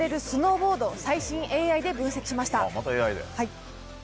スノーボード最新ＡＩで分析しました。